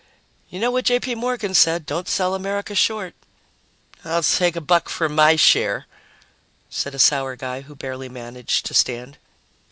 "You know what J. P. Morgan said don't sell America short." "I'll take a buck for my share," said a sour guy who barely managed to stand.